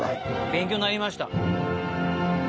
勉強になりました！